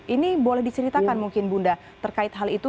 ini boleh diceritakan mungkin bunda terkait hal itu